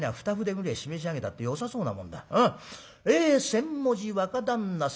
『先文字若旦那様